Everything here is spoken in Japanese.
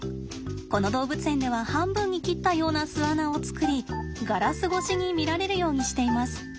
この動物園では半分に切ったような巣穴を作りガラス越しに見られるようにしています。